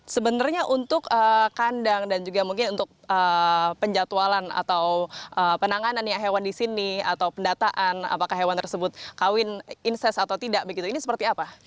sebenarnya untuk kandang dan juga mungkin untuk penjatualan atau penanganannya hewan di sini atau pendataan apakah hewan tersebut kawin inses atau tidak begitu ini seperti apa